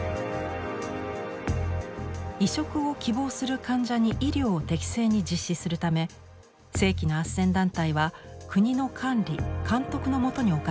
移植を希望する患者に医療を適正に実施するため正規のあっせん団体は国の管理・監督の下に置かれています。